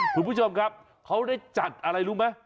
คุณผู้ชมครับเขาได้จัดอะไรรู้ไหม